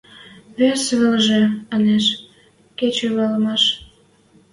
Вес велжӹ, анеш, — кечӹ валымаш.